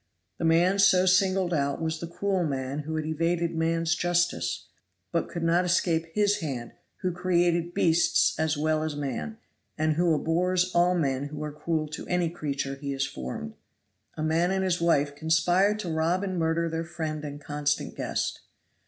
The man so singled out was the cruel man who had evaded man's justice, but could not escape His hand who created the beasts as well as man, and who abhors all men who are cruel to any creature He has formed. "A man and his wife conspired to rob and murder their friend and constant guest.